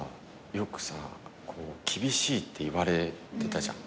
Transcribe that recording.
よくさ厳しいって言われてたじゃん。